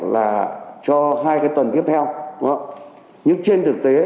là cho hai cái tuần tiếp theo nhưng trên thực tế